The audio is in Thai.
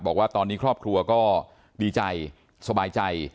บอกว่าตอนนี้ครอบครัวก็ดีใจสบายใจ